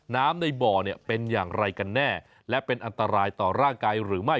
น้ำในบ่อเนี่ยเป็นอย่างไรกันแน่และเป็นอันตรายต่อร่างกายหรือไม่